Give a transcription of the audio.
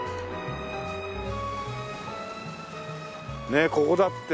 ねえここだって。